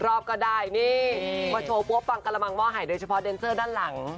รอบก็ได้นี่มาโชว์ปั๊วปังกระมังห้อหายโดยเฉพาะเดนเซอร์ด้านหลัง